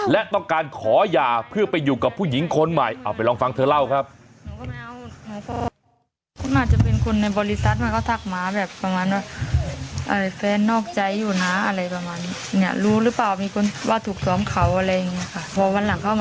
และต้องการขอหย่าเพื่อไปอยู่กับผู้หญิงคนใหม่เอาไปลองฟังเธอเล่าครับ